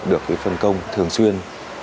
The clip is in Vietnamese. được phân công thường xuyên